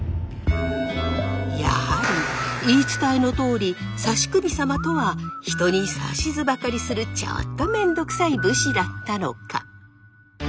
やはり言い伝えのとおり指首様とは人に指図ばかりするちょっとめんどくさい武士だったのか？